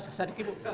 saya sadiki bu